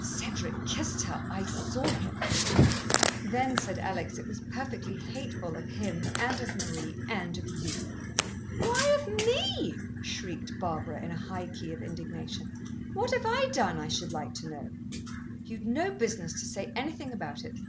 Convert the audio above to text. "Cedric kissed her I saw him." "Then," said Alex, "it was perfectly hateful of him and of Marie and of you." "Why of me?" shrieked Barbara in a high key of indignation. "What have I done, I should like to know?" "You'd no business to say anything about it.